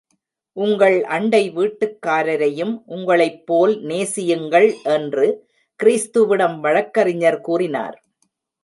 உங்கள் அண்டை வீட்டுக்காரரையும் உங்களைப் போல் நேசியுங்கள் என்று கிறிஸ்துவிடம் வழக்கறிஞர் கூறினார்.